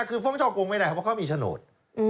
อือไม่ได้มีชโนต